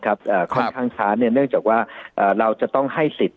ครับอ่าค่อนข้างช้าเนี้ยเนื่องจากว่าอ่าเราจะต้องให้สิทธิ์